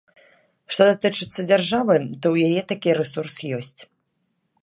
Што датычыцца дзяржавы, то ў яе такі рэсурс ёсць.